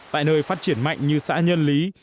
tại nơi phát triển mạnh như xã nhân lý